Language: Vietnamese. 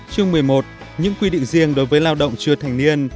chương một mươi một những quy định riêng đối với lao động chưa thành niên